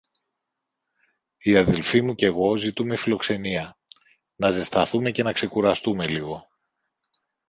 Η αδελφή μου κι εγώ ζητούμε φιλοξενία, να ζεσταθούμε και να ξεκουραστούμε λίγο.